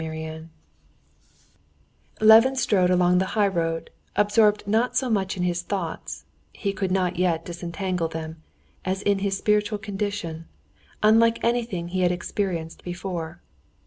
Chapter 12 Levin strode along the highroad, absorbed not so much in his thoughts (he could not yet disentangle them) as in his spiritual condition, unlike anything he had experienced before.